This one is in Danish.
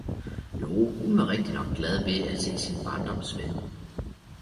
Jo, hun var rigtignok glad ved at se sin barndoms ven!